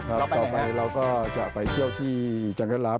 ต่อไปเราก็จะไปเที่ยวที่จังเกิลลับ